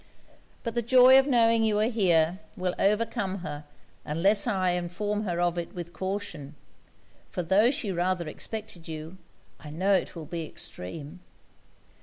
But the joy of knowing you are here, will overcome her, unless I inform her of it with caution; for tho' she rather expected you, I know it will be extreme.'